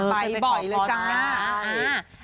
ไปบ่อยเลยจ้ะไปไปขอพรมา